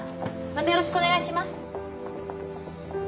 またよろしくお願いします。